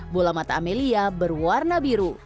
bola mata amelia berwarna biru